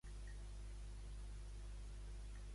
Què va passar-lo a la dida?